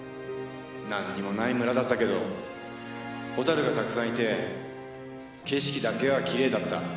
何にもない村だったけどホタルがたくさんいて景色だけはきれいだった。